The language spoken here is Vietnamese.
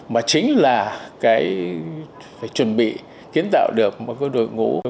mà chính là phải chuẩn bị kiến tạo được một đội ngũ